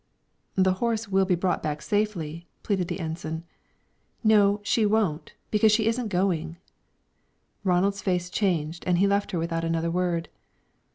"The horse will be brought back safely," pleaded the Ensign. "No, she won't, because she isn't going." Ronald's face changed and he left her without another word.